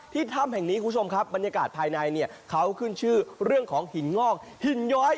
ถ้ำแห่งนี้คุณผู้ชมครับบรรยากาศภายในเนี่ยเขาขึ้นชื่อเรื่องของหินงอกหินย้อย